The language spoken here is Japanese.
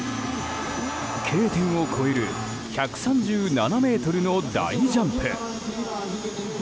Ｋ点を越える１３７ｍの大ジャンプ。